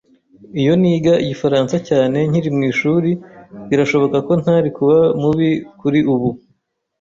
Iyo niga Igifaransa cyane nkiri mwishuri, birashoboka ko ntari kuba mubi kuri ubu.